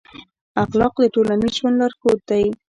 اخلاق د ټولنیز ژوند لارښود دی.